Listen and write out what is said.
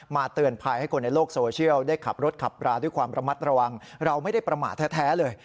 เตือนภัยให้คนในโลกโซเชียลได้ขับรถขับราด้วยความระมัดระวังเราไม่ได้ประมาทแท้เลย